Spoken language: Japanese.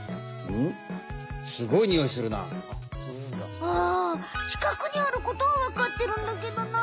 うんちかくにあることはわかってるんだけどな。